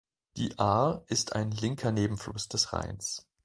Die Ahr ist ein linker Nebenfluss des Rheins.